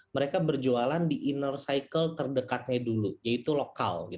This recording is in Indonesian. mereka berjualan di inner cycle terdekatnya dulu yaitu lokal